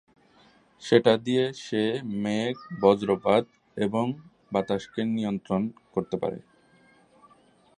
সেটা দিয়ে সে মেঘ, বজ্রপাত এবং বাতাসকে নিয়ন্ত্রণ করতে পারে।